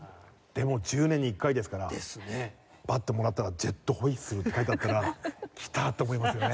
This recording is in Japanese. でも１０年に１回ですから。ですね。バッてもらったら「ジェット・ホイッスル」って書いてあったら「きた！」って思いますよね。